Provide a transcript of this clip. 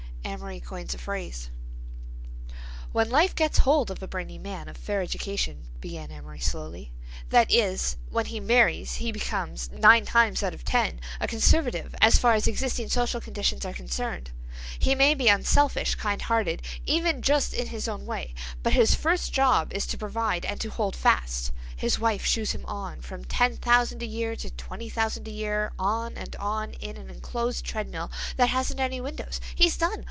AMORY COINS A PHRASE "When life gets hold of a brainy man of fair education," began Amory slowly, "that is, when he marries he becomes, nine times out of ten, a conservative as far as existing social conditions are concerned. He may be unselfish, kind hearted, even just in his own way, but his first job is to provide and to hold fast. His wife shoos him on, from ten thousand a year to twenty thousand a year, on and on, in an enclosed treadmill that hasn't any windows. He's done!